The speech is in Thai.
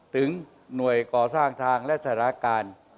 ถึงหน่วยก่อสร้างทางและสารการ